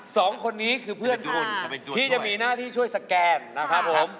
สองคนนี้คือเพื่อนคุณที่จะมีหน้าที่ช่วยสแกนนะครับผม